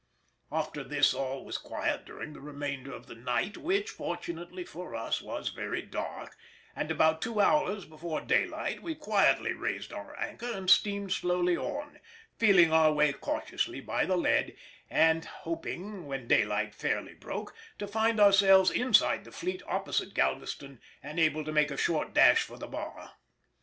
After this all was quiet during the remainder of the night, which, fortunately for us, was very dark, and about two hours before daylight we quietly raised our anchor and steamed slowly on, feeling our way cautiously by the lead, and hoping, when daylight fairly broke, to find ourselves inside the fleet opposite Galveston and able to make a short dash for the bar.